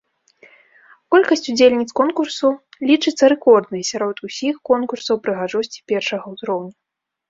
Колькасць удзельніц конкурсу лічыцца рэкорднай сярод усіх конкурсаў прыгажосці першага ўзроўню.